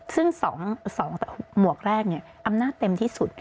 ซึ่ง๒หมวกแรกอำนาจเต็มที่สุด